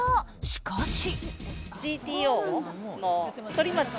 しかし。